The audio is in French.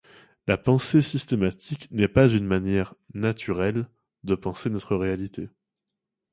La pensée systémique n’est pas une manière « naturelle » de penser notre réalité.